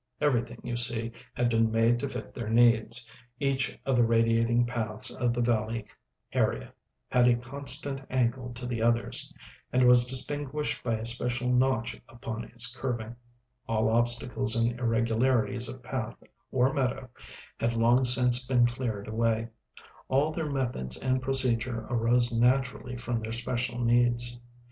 Everything, you see, had been made to fit their needs; each of the radiating paths of the valley area had a constant angle to the others, and was distinguished by a special notch upon its kerbing; all obstacles and irregularities of path or meadow had long since been cleared away; all their methods and procedure arose naturally from their special needs.